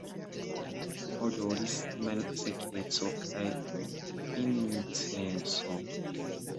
Odoris malsekeco kaj incenso.